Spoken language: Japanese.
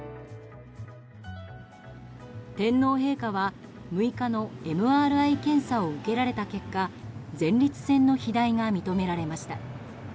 天皇陛下は、６日のＭＲＩ検査を受けられた結果前立腺の肥大が認められました。